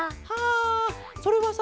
あそれはさ